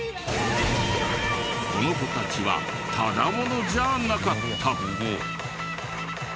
この子たちはただ者じゃなかった！